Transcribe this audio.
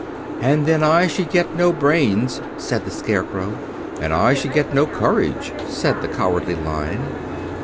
"And then I should get no brains," said the Scarecrow. "And I should get no courage," said the Cowardly Lion.